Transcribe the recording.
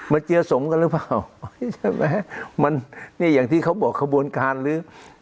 เจียสมกันหรือเปล่าใช่ไหมมันเนี่ยอย่างที่เขาบอกขบวนการหรือ